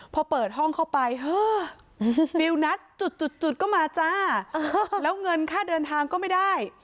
พอเปิดห้องเข้าไปฟิลนัทจุดก็มาจ้าแล้วเงินค่าเดินทางก็ไม่ได้